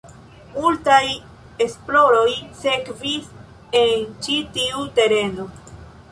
Multaj esploroj sekvis en ĉi tiu tereno.